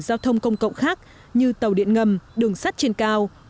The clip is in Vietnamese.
giao thông công cộng khác như tàu điện ngầm đường sắt trên cao